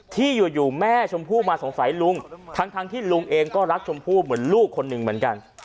ที่อยู่แม่ชมพู่มาสงสัยลุงทั้งที่ลุงเองก็รักชมพู่เหมือนลูกคนหนึ่งเหมือนกัน